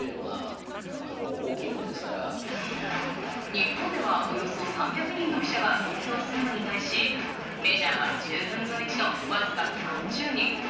日本ではおよそ３００人の記者が投票するのに対しメジャーは１０分の１のわずか３０人。